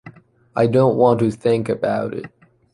I don’t want to think about it.